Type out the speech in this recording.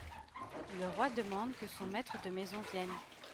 le roi demande que son maître de maison vienne.